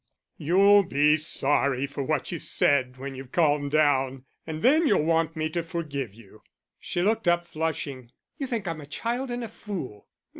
"You'll be sorry for what you've said when you've calmed down, and then you'll want me to forgive you." She looked up, flushing. "You think I'm a child and a fool."